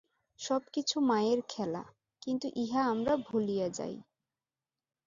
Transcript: সব কিছু মায়ের খেলা, কিন্তু ইহা আমরা ভুলিয়া যাই।